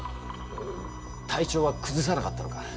体調はくずさなかったのか？